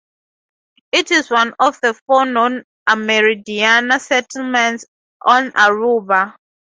It is one of the four known Amerindian settlements on Aruba.